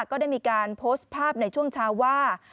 ก็ได้มีการโพสต์ภาพในช่วงเช้าว่า